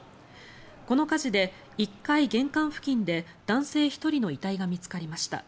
この火事で、１階玄関付近で男性１人の遺体が見つかりました。